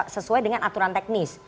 sesuai dengan aturan teknis